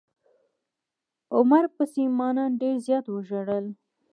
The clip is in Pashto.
عمر پسې ما نن ډير زيات وژړل.